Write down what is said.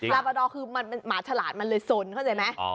ลาบาดอด้วยมันเป็นหมาฉลาดมันเลยสนเข้าใจไหม